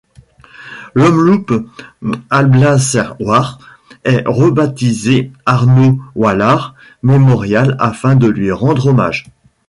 L'Omloop Alblasserwaard est rebaptisé Arno Wallaard Memorial afin de lui rendre hommage.